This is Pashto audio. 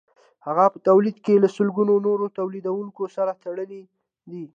هغه په تولید کې له سلګونو نورو تولیدونکو سره تړلی دی